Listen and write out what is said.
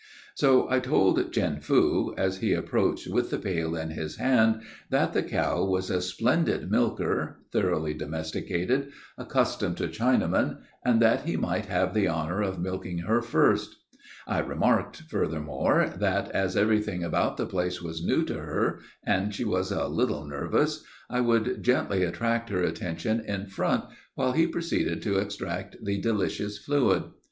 So I told Chin Foo, as he approached with the pail in his hand, that the cow was a splendid milker, thoroughly domesticated, accustomed to Chinamen, and that he might have the honor of milking her first. I remarked, furthermore, that, as everything about the place was new to her, and she was a little nervous, I would gently attract her attention in front, while he proceeded to extract the delicious fluid.